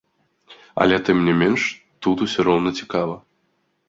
Але тым не менш тут усё роўна цікава.